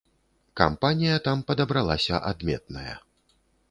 Кампанія там падабралася адметная.